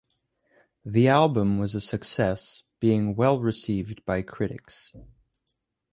The album was a success, being well received by critics.